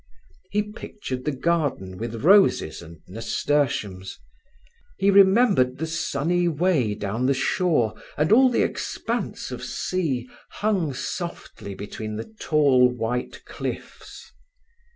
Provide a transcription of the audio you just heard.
He pictured the garden with roses and nasturtiums; he remembered the sunny way down the shore, and all the expanse of sea hung softly between the tall white cliffs.